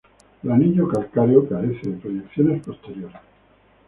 El anillo calcáreo carece de proyecciones posteriores.